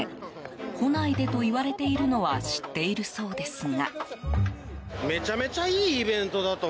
来ないでといわれているのは知っているそうですが。